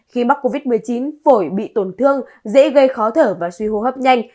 khi mắc covid một mươi chín phổi bị tổn thương dễ gây khó thở và suy hô hấp nhanh